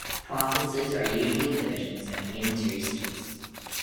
Provinces are usually divisions of unitary states.